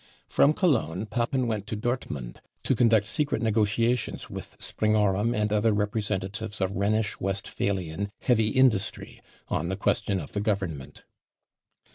From Cologne ^ Papen went to Dortmund, to conduct secret negotiations with Springorum and other representatives of Rhenish* * Westphalian heavy industry on the question ofihe Govern ment.